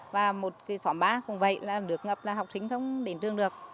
và một cái xóm ba cũng vậy là nước ngập là học sinh không đến trường được